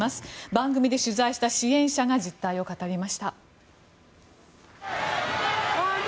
番組で取材した支援者が実態を語りました。